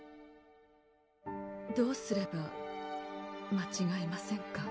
どうすれば間違えませんか？